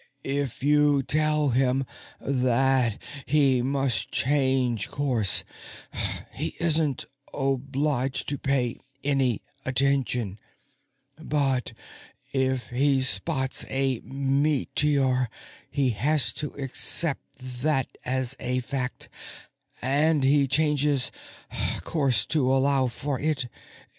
"If you tell him that he must change course, he isn't obliged to pay any attention; but if he spots a meteor, he has to accept that as a fact, and he changes course to allow for it.